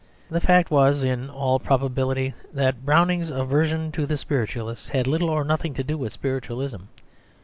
The fact was in all probability that Browning's aversion to the spiritualists had little or nothing to do with spiritualism.